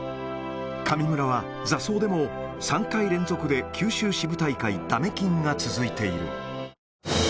神村は、座奏でも３回連続で九州支部大会ダメ金が続いている。